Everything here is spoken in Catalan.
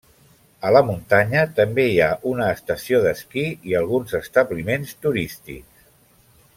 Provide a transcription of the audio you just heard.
A la muntanya també hi ha una estació d'esquí i alguns establiments turístics.